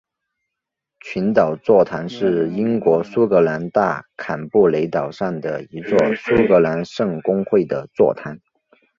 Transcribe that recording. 群岛座堂是英国苏格兰大坎布雷岛上的一座苏格兰圣公会的座堂。